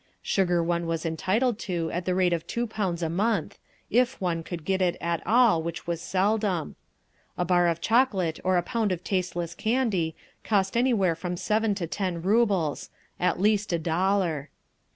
Sugar one was entitled to at the rate of two pounds a month—if one could get it at all, which was seldom. A bar of chocolate or a pound of tasteless candy cost anywhere from seven to ten rubles—at least a dollar.